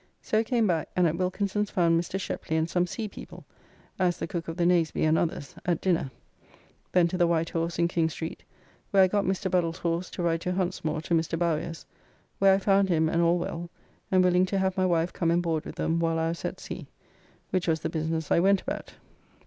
So came back and at Wilkinson's found Mr. Sheply and some sea people, as the cook of the Nazeby and others, at dinner. Then to the White Horse in King Street, where I got Mr. Buddle's horse to ride to Huntsmore to Mr. Bowyer's, where I found him and all well, and willing to have my wife come and board with them while I was at sea, which was the business I went about.